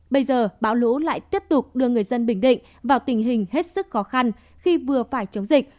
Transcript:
bây giờ bão lũ lại tiếp tục đưa người dân bình định vào tình hình hết sức khó khăn khi vừa phải chống dịch